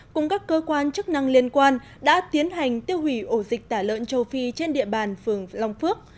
cùng các cơ quan chức năng liên quan đã tiến hành tiêu hủy ổ dịch tả lợn châu phi trên địa bàn phường long phước